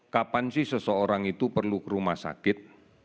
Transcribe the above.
kapan sih seseorang itu perlu ke rumah sakit